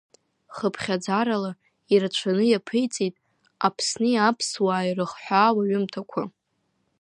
Хыԥхьаӡарала ирацәаны иаԥиҵеит Аԥсни аԥсуааи ирыхҳәаау аҩымҭақәа.